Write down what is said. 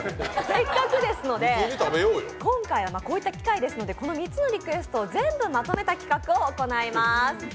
せっかくですので、今回はこういった機会ですので、この３つのリクエストを全部まとめた企画を行います。